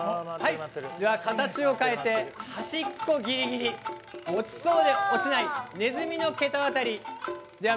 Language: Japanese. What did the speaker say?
形を変えて端っこギリギリ落ちそうで落ちないねずみの桁渡り。